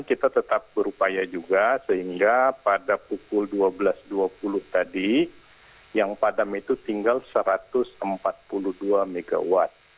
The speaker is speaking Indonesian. kita tetap berupaya juga sehingga pada pukul dua belas dua puluh tadi yang padam itu tinggal satu ratus empat puluh dua mw